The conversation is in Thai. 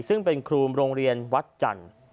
ซึ่งเป็นครูโรงเรียนวัดจันทร์